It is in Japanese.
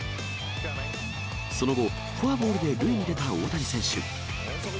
その後、フォアボールで塁に出た大谷選手。